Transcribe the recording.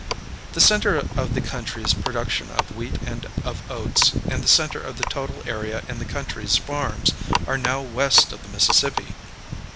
The center of the country's production of wheat and of oats, and the center of the total area in the country's farms, are now west of the Mississippi.